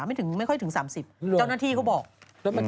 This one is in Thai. ไม่ค่อยถึง๓๐กาวนาทีเขาบอก